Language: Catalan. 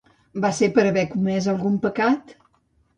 Va ser per haver comès algun pecat?